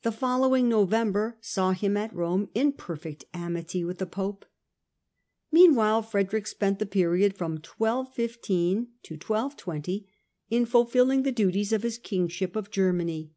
The following November saw him at Rome in perfect amity with the Pope. Meanwhile Frederick spent the period from 1215 to 1 220 in fulfilling the duties of his Kingship of Germany.